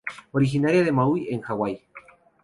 Originaria de Maui en Hawái.